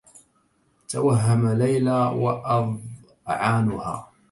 توهم ليلى وأظعانها